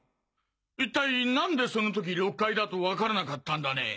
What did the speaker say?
一体なんでその時６階だとわからなかったんだね？